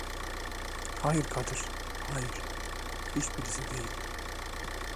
Hayır Kadir, hayır, hiçbirisi değil…